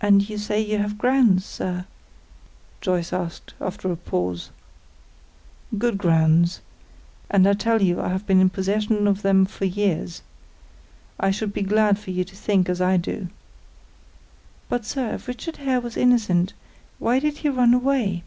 "And you say you have grounds, sir?" Joyce asked, after a pause. "Good grounds; and I tell you I have been in possession of them for years. I should be glad for you to think as I do." "But, sir, if Richard Hare was innocent, why did he run away?"